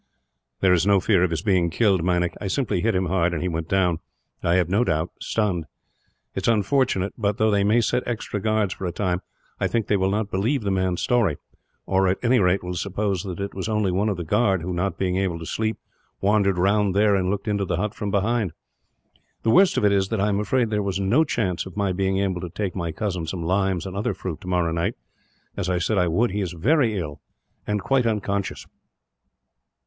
"There is no fear of his being killed, Meinik. I simply hit him hard; and he went down, I have no doubt, stunned. It is unfortunate but, though they may set extra guards for a time, I think they will not believe the man's story; or at any rate, will suppose that it was only one of the guard who, not being able to sleep, wandered round there and looked into the hut from behind. The worst of it is that I am afraid that there is no chance of my being able to take my cousin some limes and other fruit, tomorrow night, as I said I would. He is very ill, and quite unconscious."